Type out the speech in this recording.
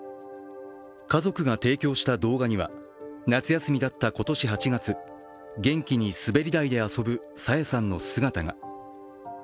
家族が提供した動画には夏休みだった今年８月、元気に滑り台で遊ぶ朝芽さんの姿が。